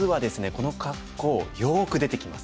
この格好よく出てきます。